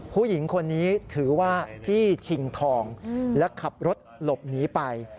ผู้หญิงคนนี้ถือว่าจี้ชิงทองและขับรถหลบหนีไป